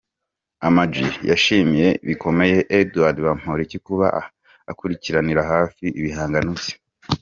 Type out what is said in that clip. Ama G yashimiye bikomeye Edouard Bamporiki kuba akurikiranira hafi ibihangano bye.